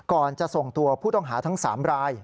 ก่อนจะส่งตัวผู้ต้องหาทั้ง๓ราย